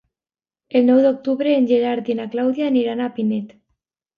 El nou d'octubre en Gerard i na Clàudia aniran a Pinet.